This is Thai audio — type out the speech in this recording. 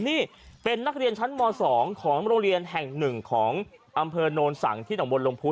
นี่เป็นนักเรียนชั้นม๒ของโรงเรียนแห่งหนึ่งของอำเภอโนนสังที่หนองบนลมพู